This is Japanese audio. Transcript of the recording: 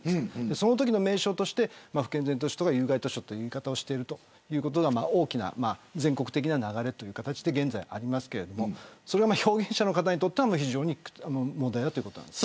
そのときの名称として不健全図書とか有害図書という言い方をしているというのが全国的な流れで現在ありますがそれが表現者の方にとっては問題だということです。